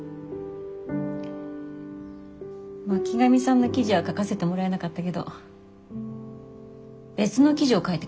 巻上さんの記事は書かせてもらえなかったけど別の記事を書いてくれって言われて。